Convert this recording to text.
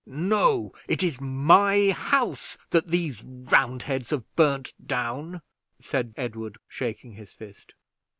"No. It is my house that these Roundheads have burned down," said Edward, shaking his fist.